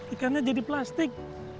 ikannya jadi plastik